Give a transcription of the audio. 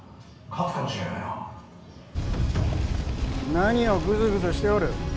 何をグズグズしておる。